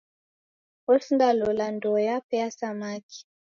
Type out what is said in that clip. Osindalola ndoo yape ya samaki.